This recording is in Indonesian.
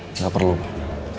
tidak perlu pak